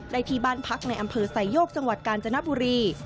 ที่บ้านพักในอำเภอไซโยกจังหวัดกาญจนบุรี